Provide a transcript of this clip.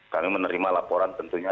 kami menerima laporan tentunya